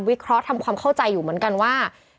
เคราะห์ทำความเข้าใจอยู่เหมือนกันว่า